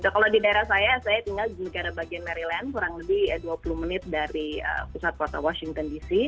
kalau di daerah saya saya tinggal di negara bagian maryland kurang lebih dua puluh menit dari pusat kota washington dc